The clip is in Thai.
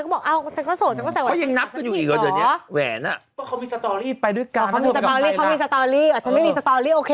ไม่ใช่เขาจะว่าไม่หลอบบางที